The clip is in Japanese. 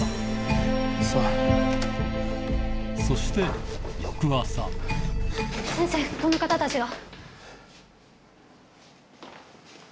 そして先生この方たちが。